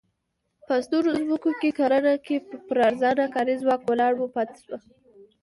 په سترو ځمکو کې کرنه چې پر ارزانه کاري ځواک ولاړه وه پاتې شوه.